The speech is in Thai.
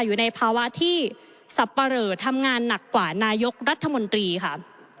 อยู่ในภาวะที่สับปะเหลอทำงานหนักกว่านายกรัฐมนตรีค่ะ